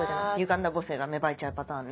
歪んだ母性が芽生えちゃうパターンね。